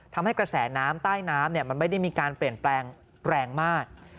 ทำให้กระแสน้ำใต้น้ำมันไม่ได้มีการเปลี่ยนแปลงแรงมาก